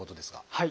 はい。